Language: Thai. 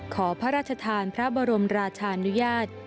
ขอพระราชทานพระบรมราชานุญาต